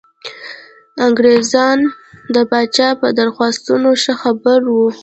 انګرېزان د پاچا په درخواستونو ښه خبر وو.